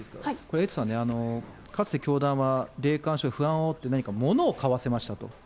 エイトさんね、かつて教団は、霊感商法、不安をあおって、何か物を買わせましたと。